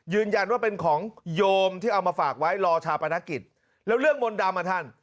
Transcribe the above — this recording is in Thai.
ยืนยันว่าเป็นของโยมที่เอามาฝากไว้รอชาปนกิจแล้วเรื่องมนต์ดำอ่ะท่าน